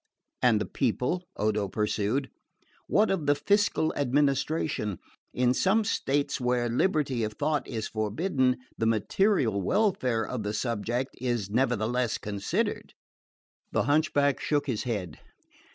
"And the people?" Odo pursued. "What of the fiscal administration? In some states where liberty of thought is forbidden the material welfare of the subject is nevertheless considered." The hunchback shook his head.